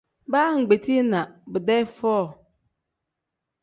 Baa ngbetii na bidee foo.